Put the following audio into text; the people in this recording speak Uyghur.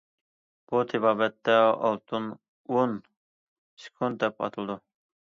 بۇ تېبابەتتە‹‹ ئالتۇن ئون سېكۇنت›› دەپ ئاتىلىدۇ.